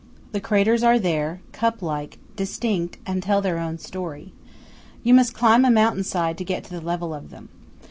The craters are there, cup like, distinct, and tell their own story. You must climb a mountain side to get to the level of them.